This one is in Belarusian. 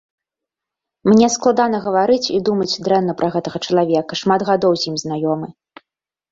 Мне складана гаварыць і думаць дрэнна пра гэтага чалавека, шмат гадоў з ім знаёмы.